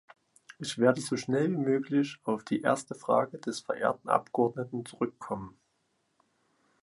Ich werde so schnell wie möglich auf die erste Frage des verehrten Abgeordneten zurückkommen.